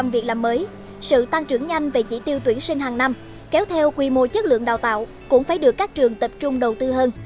ba mươi bốn hai trăm linh việc làm mới sự tăng trưởng nhanh về chỉ tiêu tuyển sinh hàng năm kéo theo quy mô chất lượng đào tạo cũng phải được các trường tập trung đầu tư hơn